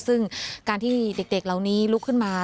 ซึ่งการที่เด็กเหล่านี้ลุกขึ้นมา